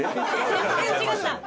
全然違った。